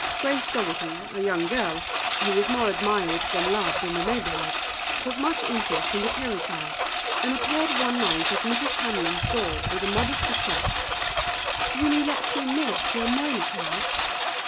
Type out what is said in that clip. Grace Dogherty, a young girl, who was more admired than loved in the neighbourhood, took much interest in the Kerry cow, and appeared one night at Mrs. Hanlon's door with the modest request "Will you let me milk your Moiley cow?"